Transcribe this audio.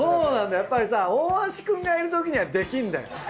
やっぱりさ大橋くんがいるときにはできんだよ。